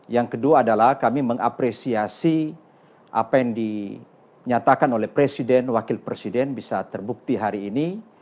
yang kedua adalah kami mengapresiasi apa yang dinyatakan oleh presiden wakil presiden bisa terbukti hari ini